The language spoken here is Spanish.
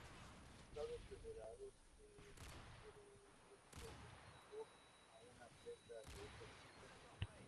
Estados Federados de Micronesia clasificó a una atleta en esta disciplina.